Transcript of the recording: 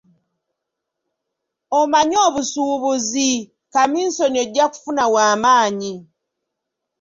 Omanyi obusuubuzi; kaminsoni ojja kufuna wa maanyi.